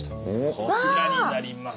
こちらになります。